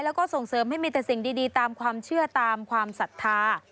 แล้วก็ส่งเสริมให้มีแต่สิ่งดีตามความเชื่อตามความศรัทธา